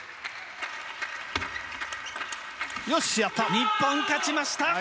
日本、勝ちました。